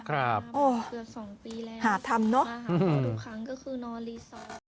ครับประมาณเกือบ๒ปีแล้วมาหาลูกครั้งก็คือนอนลีซอร์ต